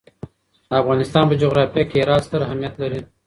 د افغانستان په جغرافیه کې هرات ستر اهمیت لري.